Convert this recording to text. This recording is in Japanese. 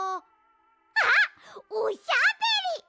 あっおしゃべり！